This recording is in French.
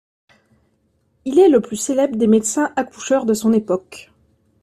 Il est le plus célèbre des médecins accoucheurs de son époque.